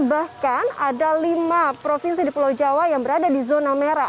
bahkan ada lima provinsi di pulau jawa yang berada di zona merah